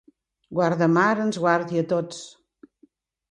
Guardamar ens guardi a tots.